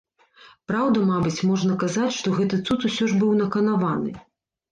Праўда, мабыць, можна казаць, што гэты цуд усё ж быў наканаваны.